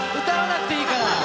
歌わなくていいから。